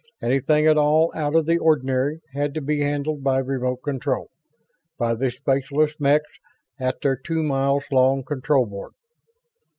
Anything at all out of the ordinary had to be handled by remote control, by the specialist mechs at their two miles long control board.